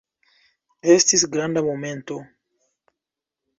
Estis granda momento!